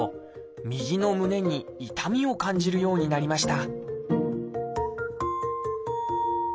右の胸に痛みを感じるようになりました